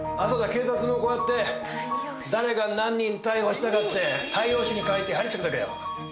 警察もこうやって誰が何人逮捕したかってタイヨウシに書いて貼り付けとけよ。